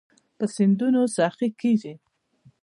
پر سیندونو سخي کیږې